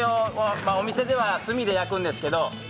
お店では炭で焼くんですけど。